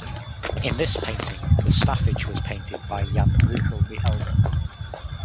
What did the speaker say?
In this painting the staffage was painted by Jan Brueghel the Elder.